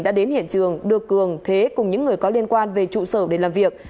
đã đến hiện trường đưa cường thế cùng những người có liên quan về trụ sở để làm việc